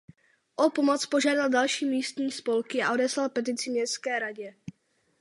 O pomoc požádal další místní spolky a odeslal petici městské radě.